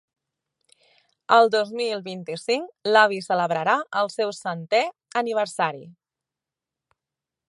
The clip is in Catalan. El dos mil vint-i-cinc, l'avi celebrarà el seu centè aniversari.